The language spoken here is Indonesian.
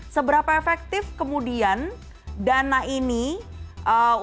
seberapa efektif kemudian dana ini untuk sosialisasi program